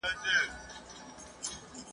چا خوله وازه په حیرت پورته کتله !.